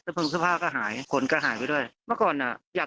เสื้อเพลิงเสื้อผ้าก็หายขนก็หายไปด้วย